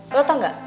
lo tau ga